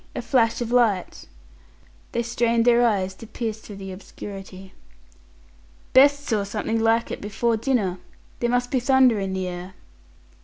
A flash of light." They strained their eyes to pierce through the obscurity. "Best saw something like it before dinner. There must be thunder in the air."